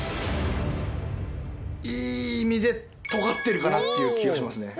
いい意味で尖ってるかなっていう気がしますね。